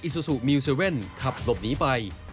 อิซูซูมิว๗ขับหลบหนีไป